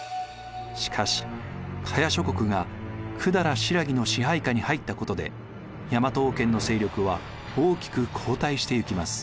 しかし伽耶諸国が百済新羅の支配下に入ったことで大和王権の勢力は大きく後退していきます。